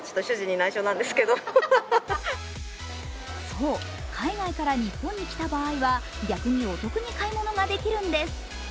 そう、海外から日本に来た場合は逆にお得に買い物ができるんです。